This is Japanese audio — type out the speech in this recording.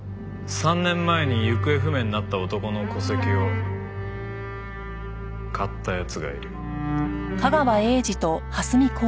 ３年前に行方不明になった男の戸籍を買った奴がいる。